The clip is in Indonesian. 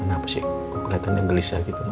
ma kenapa sih keliatan yang gelisah gitu ma